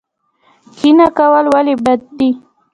کینه کول ولې بد دي؟